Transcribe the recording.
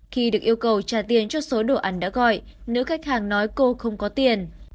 khi được yêu cầu trả tiền cho số đồ ăn đã gọi nữ khách hàng nói cô không có tiền